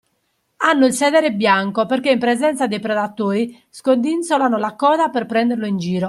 Hanno il sedere bianco perché in presenza dei predatori scodinzolano la coda per prenderlo in giro